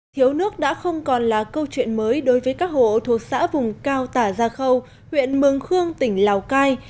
thiếu nước đã không còn là câu chuyện mới đối với các hộ thuộc xã vùng cao tà gia khâu huyện mường khương tỉnh lào cai